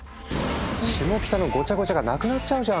「シモキタのごちゃごちゃがなくなっちゃうじゃん！」